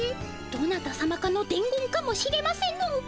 どなたさまかのでん言かもしれませぬ。